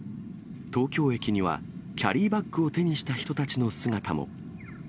東京駅にはキャリーバッグを手にした人たちの姿も。